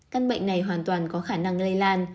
căn bệnh này hoàn toàn có khả năng lây lan